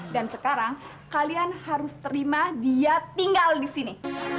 dan sekarang kalian harus terima dia tinggal di sini